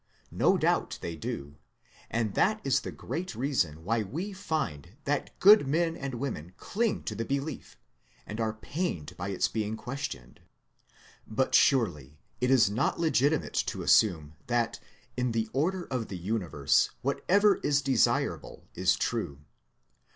"No doubt they do, and that is the great reason why we find that good men and women cling to the belief, and are pained by its being questioned. But surely it is not legitimate to assume that in the order of the Universe, whatever is desirable is true.